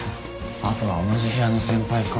あとは同じ部屋の先輩か。